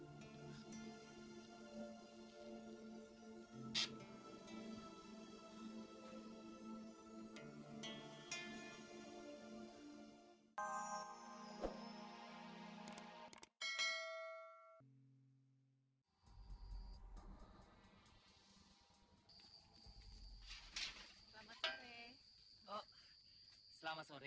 oh selamat sore